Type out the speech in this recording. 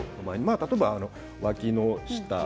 例えば、わきの下。